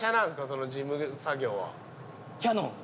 その事務作業は。